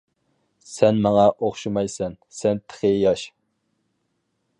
سەن ماڭا ئوخشىمايسەن، سەن تېخى ياش.